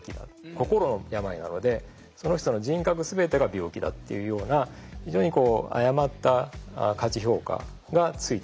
心の病なのでその人の人格全てが病気だっていうような非常に誤った価値評価がついて回ったんじゃないかなと。